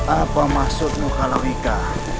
apa maksudmu kalau ika